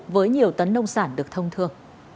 với nhiều tấn nông sản được thông báo